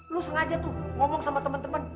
lo sengaja tuh ngomong sama temen temen